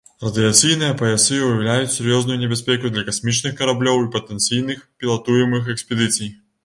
Радыяцыйныя паясы ўяўляюць сур'ёзную небяспеку для касмічных караблёў і патэнцыйных пілатуемых экспедыцый.